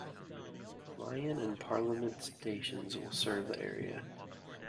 Lyon and Parliament Stations will serve the area.